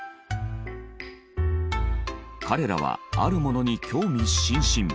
彼らはあるものに興味津々。